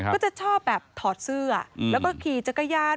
ก็จะชอบแบบถอดเสื้อแล้วก็ขี่จักรยาน